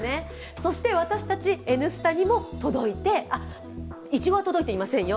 そして私たち、「Ｎスタ」にも届いていちごは届いていませんよ